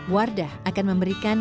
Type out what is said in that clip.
wardah akan memberikan